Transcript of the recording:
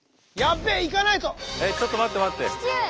えっちょっと待って待って。